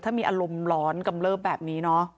ถ้ามีอารมณ์ร้อนกำเลิบแบบนี้เนอะ